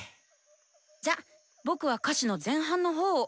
じゃ僕は歌詞の前半の方を。